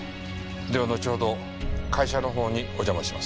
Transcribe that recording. では後ほど会社の方にお邪魔します。